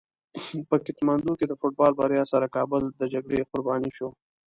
په کتمندو کې د فوټبال بریا سره کابل د جګړې قرباني شو.